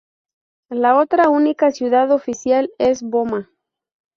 La otra única ciudad oficial es Boma.